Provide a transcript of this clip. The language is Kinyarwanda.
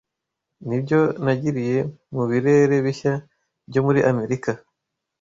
n’ibyo nagiriye mu birere bishya byo muri Amerika